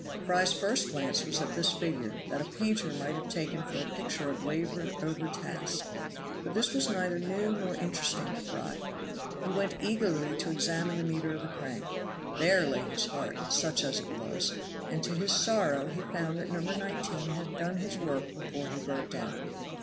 Fry's first glance was at this figure, that a painter might have taken for a picture of labor overtasked; but this was neither new nor interesting to Fry. He went eagerly to examine the meter of the crank there lay his heart, such as it was and to his sorrow he found that No. 19 had done his work before he broke down.